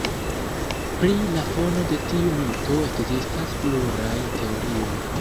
Pri la fono de tiu mito ekzistas pluraj teorioj.